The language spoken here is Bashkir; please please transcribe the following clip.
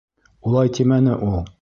— Улай тимәне ул.